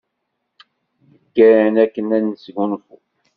Neggan akken ad nesgunfu.